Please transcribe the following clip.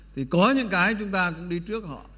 thì có những cái chúng ta cũng đi trước họ